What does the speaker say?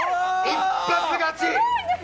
一発勝ち！